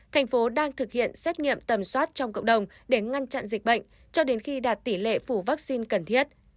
thành phố đang thực hiện xét nghiệm tầm soát trong cộng đồng để ngăn chặn dịch bệnh cho đến khi đạt tỷ lệ phủ vaccine cần thiết